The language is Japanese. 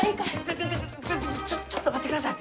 ちょちょちょっと待ってください！